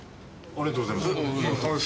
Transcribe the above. ありがとうございます。